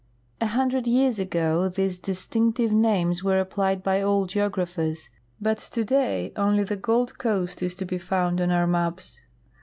A hundred years ago these distinctive names were applied b,y all geographers, but today onl}^ the Gold coast is to be found on our maps.